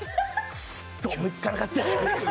ちょっと、思いつかなかった。